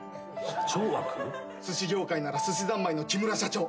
すし業界ならすしざんまいの木村社長。